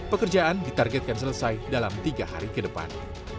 pekerjaan ditargetkan selesai dalam tiga hari ke depan